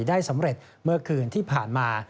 ได้สำเร็จเมื่อคืนที่ผ่านมา